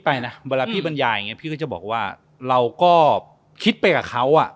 ไปนะเวลาพี่บรรยายอย่างเงี้พี่ก็จะบอกว่าเราก็คิดไปกับเขาอ่ะ